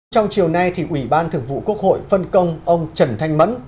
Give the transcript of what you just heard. trong chiều nay thì ủy ban thường vụ quốc hội phân công ông trần thanh mẫn